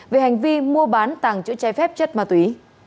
về hành vi mua bán tàng chữ trái phép chất ma túy